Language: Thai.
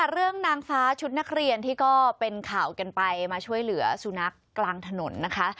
นางฟ้าชุดนักเรียนที่ก็เป็นข่าวกันไปมาช่วยเหลือสุนัขกลางถนนนะคะ